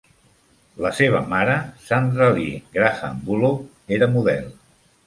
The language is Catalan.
La seva mare, la Sandra Lee-Graham Bullough, era model.